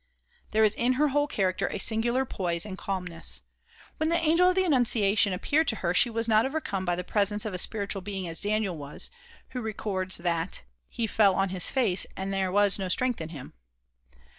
There is in her whole character a singular poise and calmness. When the Angel of the Annunciation appeared to her she was not overcome by the presence of a spiritual being as Daniel was, who records that "he fell on his face and there was no strength in him."